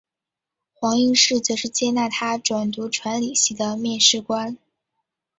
黄应士则是接纳他转读传理系的面试官。